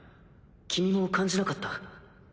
君も感じなかった？